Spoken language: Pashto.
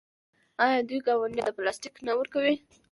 آیا دوی ګاونډیانو ته پلاستیک نه ورکوي؟